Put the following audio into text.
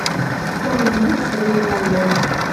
Comme vous, révérende mère.